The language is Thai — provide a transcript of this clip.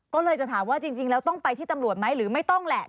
ก็เลยจะถามว่าจริงแล้วต้องไปที่ตำรวจไหมหรือไม่ต้องแหละ